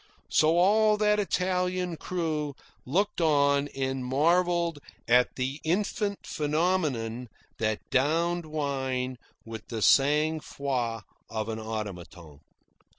So all that Italian crew looked on and marvelled at the infant phenomenon that downed wine with the sang froid of an automaton.